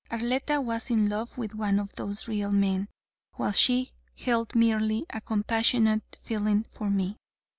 Arletta was in love with one of those real men, while she held merely a compassionate feeling for me.